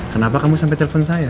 kenapa kamu sampai telepon saya